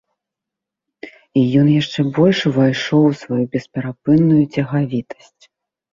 І ён яшчэ больш увайшоў у сваю бесперапынную цягавітасць.